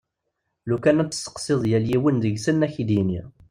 Lukan ad tesseqsiḍ yal yiwen deg-sen ad ak-d-yini.